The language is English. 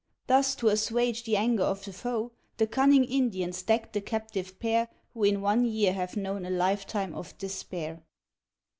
Thus, to assuage the anger of the foe The cunning Indians decked the captive pair Who in one year have known a lifetime of despair.